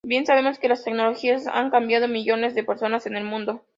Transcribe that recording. Bien sabemos que las tecnologías han cambiado millones de personas en el mundo.